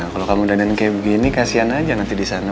kalau kamu udah nanti kayak begini kasihan aja nanti disana